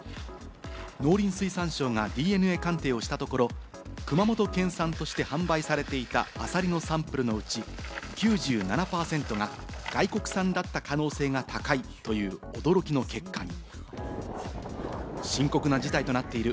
農林水産省がＤＮＡ鑑定をしたところ、熊本県産として販売されていたアサリのサンプルのうち、９７％が外国産だった可能性が高いという驚きの結果に。